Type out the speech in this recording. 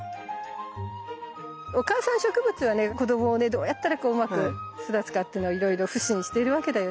お母さん植物はね子どもをねどうやったらうまく育つかっていうのをいろいろ腐心してるわけだよね。